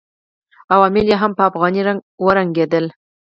عوامل یې هم په افغاني رنګ ورنګېدل.